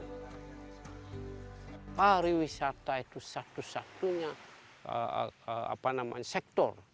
pembangunan wisata itu satu satunya sektor